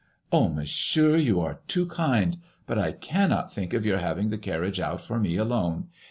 *'Oh, Monsieur, you are too kind, but I cannot think of your having the carriage out for me alone.